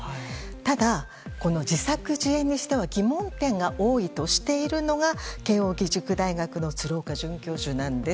ただ、この自作自演にしては疑問点が多いとしているのが慶應義塾大学の鶴岡准教授です。